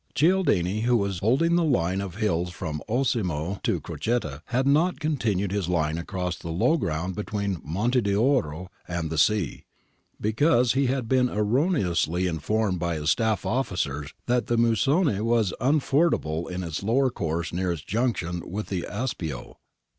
Cialdini, who was holding the line of hills from Osimo to Crocette, had not continued his line across the low ground between Monte d'Oro and the sea, because he had been erroneously in formed by his stafTofficers that the Musone was unfordable in its lower course near its junction with the Aspio.'